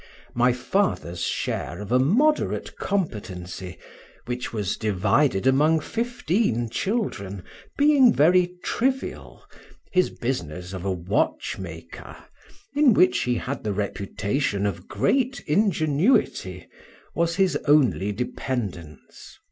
My father's share of a moderate competency, which was divided among fifteen children, being very trivial, his business of a watchmaker (in which he had the reputation of great ingenuity) was his only dependence.